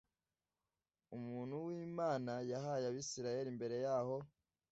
umuntu w’imana yahaye abisirayeli mbere yaho